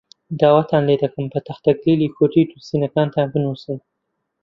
داواتان لێ دەکەم بە تەختەکلیلی کوردی نووسینەکانتان بنووسن.